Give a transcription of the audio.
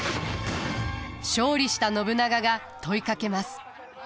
勝利した信長が問いかけます。